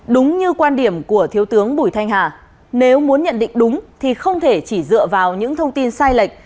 đúng như quan điểm của thiếu tướng bùi thanh hà nếu muốn nhận định đúng thì không thể chỉ dựa vào những thông tin sai lệch